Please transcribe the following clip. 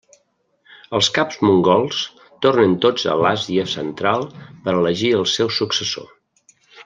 Els caps mongols tornen tots a l'Àsia central per elegir el seu successor.